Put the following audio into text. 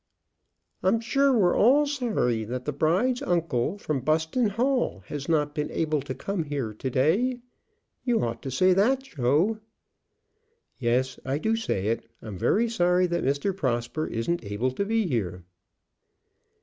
"I'm sure we're all sorry that the bride's uncle, from Buston Hall, has not been able to come here to day. You ought to say that, Joe." "Yes, I do say it. I'm very sorry that Mr. Prosper isn't able to be here."